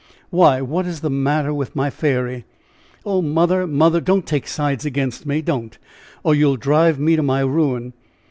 "Why, what is the matter with my fairy?" "Oh, mother, mother, don't take sides against me! don't! or you will drive me to my ruin.